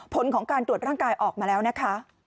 ผลของการตรวจร่างกายออกมาแล้วนะคะ